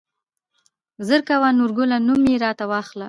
زر کوه نورګله نوم يې راته واخله.